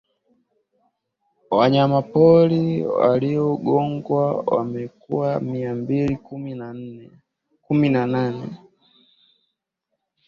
wanyamapori waliyogongwa walikuwa mia mbili kumi na nane